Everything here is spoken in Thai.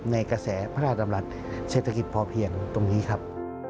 ในกระแสพระราชดำรัฐเศรษฐกิจพอเพียงตรงนี้ครับ